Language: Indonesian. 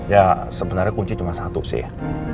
ya sebenernya kunci cuma satu sih